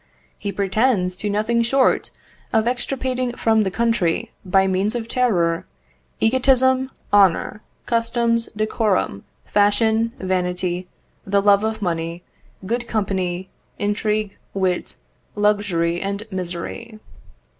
He pretends to nothing short of extirpating from the country, by means of terror, egotism, honour, customs, decorum, fashion, vanity, the love of money, good company, intrigue, wit, luxury, and misery.